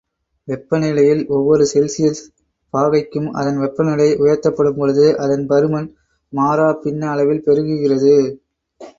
வெப்பநிலையில் ஒவ்வொரு செல்சியஸ் பாகைக்கும் அதன் வெப்பநிலை உயர்த்தப்படும் பொழுது அதன் பருமன் மாறாப்பின்ன அளவில் பெருகுகிறது.